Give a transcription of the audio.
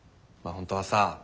本当はさ